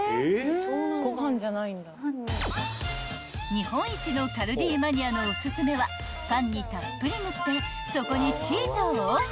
［日本一のカルディマニアのおすすめはパンにたっぷり塗ってそこにチーズをオン］